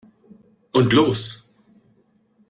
Und los!